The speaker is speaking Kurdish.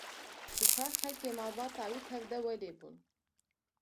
Ji xwe xelkê malbata wî tev de welê bûn.